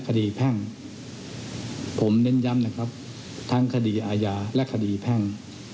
แพ่งผมเน้นย้ำนะครับทั้งคดีอาญาและคดีแพ่ง